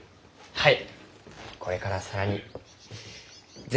はい。